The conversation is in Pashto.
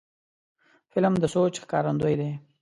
فلم د سوچ ښکارندوی دی